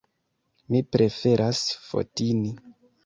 Mi preferas Fotini.